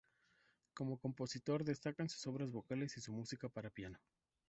Como compositor, destacan sus obras vocales y su música para piano.